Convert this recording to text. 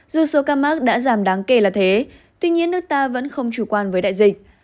dù số ca mắc đã giảm đáng kể là thế tuy nhiên nước ta vẫn không chủ quan với đại dịch